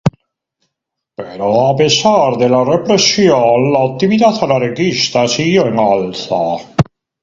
Pero a pesar de la represión la actividad anarquista siguió en alza.